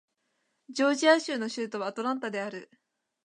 ジョージア州の州都はアトランタである